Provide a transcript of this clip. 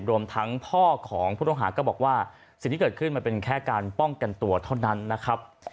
รวมทั้งพ่อของผู้ต้องหาก็บอกว่าสิ่งที่เกิดขึ้นมันเป็นแค่การป้องกันตัวเท่านั้นนะครับ